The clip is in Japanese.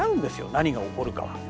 何が起こるかは。